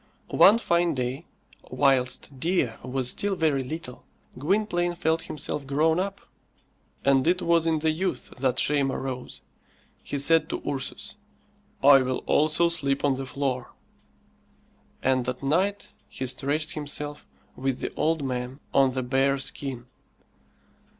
One fine day, whilst Dea was still very little, Gwynplaine felt himself grown up, and it was in the youth that shame arose. He said to Ursus, "I will also sleep on the floor." And at night he stretched himself, with the old man, on the bear skin.